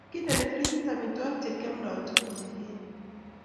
kindeni frijit amitwogik chekiomdoi tuguk chekieei